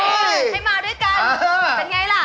ให้มาด้วยกันเป็นอย่างไรล่ะ